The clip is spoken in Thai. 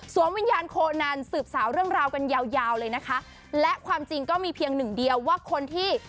วิญญาณโคนันสืบสาวเรื่องราวกันยาวยาวเลยนะคะและความจริงก็มีเพียงหนึ่งเดียวว่าคนที่